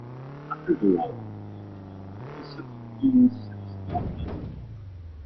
After the war, Talboys settled in Southland as a farmer.